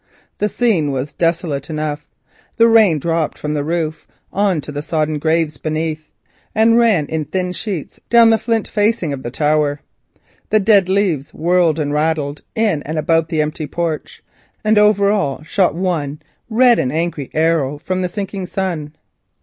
The scene was desolate enough. Rain dropped from the roof on to the sodden graves beneath, and ran in thin sheets down the flint facing of the tower; the dead leaves whirled and rattled about the empty porch, and over all shot one red and angry arrow from the sinking sun.